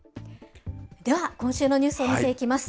では、今週のニュースを見ていきます。